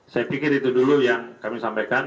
saya pikir itu dulu yang kami sampaikan